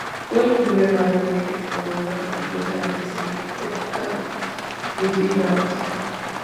Fue el primer barrio de Extremadura completamente servido por cable de fibra óptica.